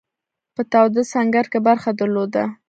په تاوده سنګر کې برخه درلوده.